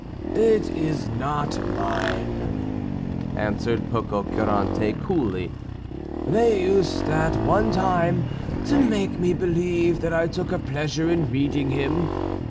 "It is not mine," answered Pococurante coolly. "They used at one time to make me believe that I took a pleasure in reading him.